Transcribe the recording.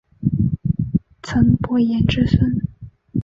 岑伯颜之孙。